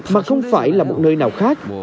mà không phải là một nơi nào khác